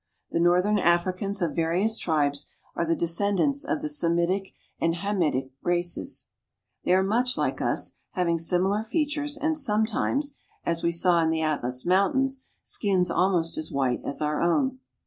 The northern Africans of various tribes are the descendants of the Semitic and Hamitic races. IN THE SUDAN 165 *hey are much like us, having similar features and st I in the Atlas Mountains, skins almost as white as our own.